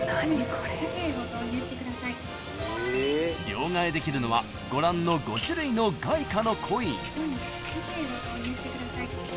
［両替できるのはご覧の５種類の外貨のコイン］